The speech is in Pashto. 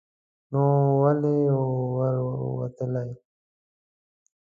نو ولې ور وتلی ؟